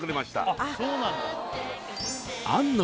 あっそうなんだあんの